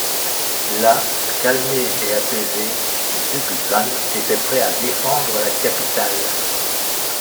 Là, calmé et apaisé, Zhuge Zhan était prêt à défendre la capitale.